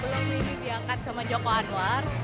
belum ini diangkat sama joko anwar